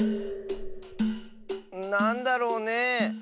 なんだろうねえ。